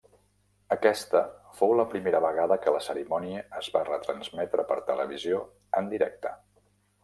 Aquesta fou la primera vegada que la cerimònia es va retransmetre per televisió en directe.